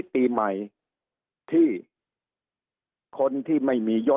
สุดท้ายก็ต้านไม่อยู่